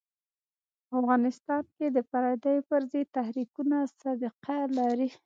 په افغانستان کې د پرديو پر ضد تحریکونه سابقه لري.